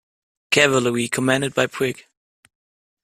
Cavalry commanded by Brig.